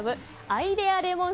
アイデアレモン